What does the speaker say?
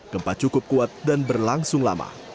gempa cukup kuat dan berlangsung lama